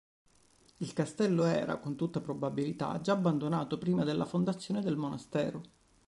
Il castello era con tutta probabilità già abbandonato prima della fondazione del monastero.